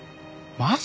マジ！？